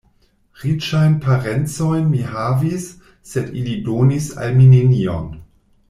Riĉajn parencojn mi havis, sed ili donis al mi nenion.